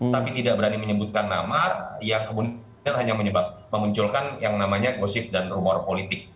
tapi tidak berani menyebutkan nama yang kemudian hanya memunculkan yang namanya gosip dan rumor politik